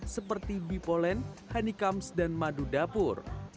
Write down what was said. seperti bipolen honeycomes dan madu dapur